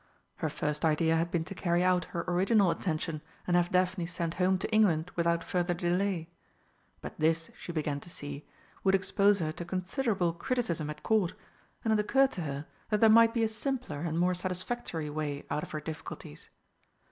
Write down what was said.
Her first idea had been to carry out her original intention and have Daphne sent home to England without further delay. But this, she began to see, would expose her to considerable criticism at Court, and it occurred to her that there might be a simpler and more satisfactory way out of her difficulties.